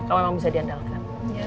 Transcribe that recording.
kamu memang bisa diandalkan